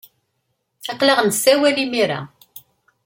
Aql-aɣ nessawal imir-a.